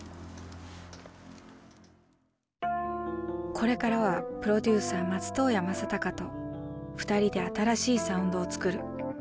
これからはプロデューサー松任谷正隆と２人で新しいサウンドを作る。